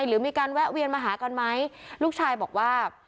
หรือมีการแวะเวียนมาหากันไหมลูกชายบอกว่า